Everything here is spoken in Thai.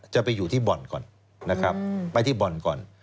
จะไปอยู่ที่บ่อนก่อนนะครับไปที่บ่อนก่อน